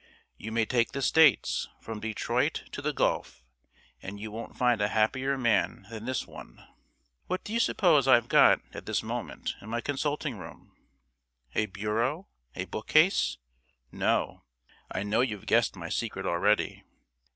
You may take the States, from Detroit to the Gulf, and you won't find a happier man than this one. What do you suppose I've got att his{sic at this} moment in my consulting room? A bureau? A bookcase? No, I know you've guessed my secret already.